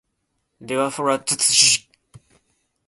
で ｗｆｒｔｔｊ